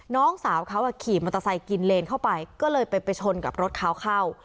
น้องสาวเขาขี่มอเตอร์ไซค์กินเลนเข้าไปก็เลยไปชนกับรถเขาเข้า